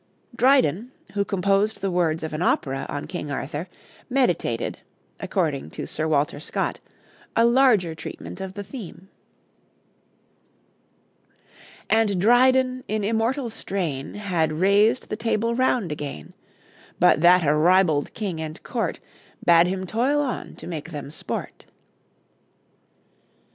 Dryden, who composed the words of an opera on King Arthur, meditated, according to Sir Walter Scott, a larger treatment of the theme: "And Dryden in immortal strain Had raised the Table Round again, But that a ribald King and Court Bade him toil on to make them sport."